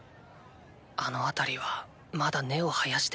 あの辺りはまだ根を生やしていない。